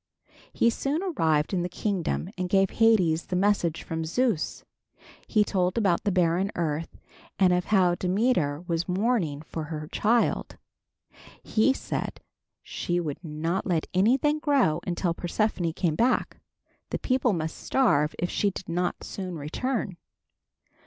He soon arrived in the kingdom and gave Hades the message from Zeus. He told about the barren earth and of how Demeter was mourning for her child. He said she would not let anything grow until Persephone came back. The people must starve if she did not soon return.